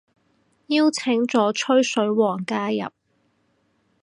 邀請咗吹水王加入